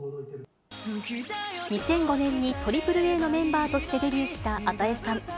２００５年にＡＡＡのメンバーとしてデビューした與さん。